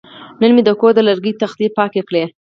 نن مې د کور د لرګي تختې پاکې کړې.